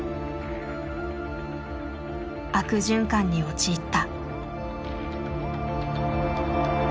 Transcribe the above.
悪循環に陥った。